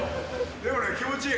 でもね、気持ちいい。